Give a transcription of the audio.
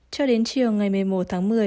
cho đến chiều ngày một mươi một tháng một mươi